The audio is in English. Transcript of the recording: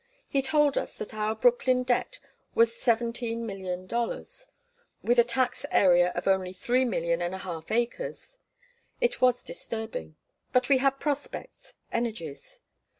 He told us that our Brooklyn debt was $17,000,000, with a tax area of only three million and a half acres. It was disturbing. But we had prospects, energies.